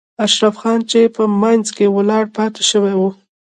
اشرف خان چې په منځ کې ولاړ پاتې شوی و.